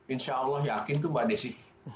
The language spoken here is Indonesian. insya allah yakin tuh mbak desi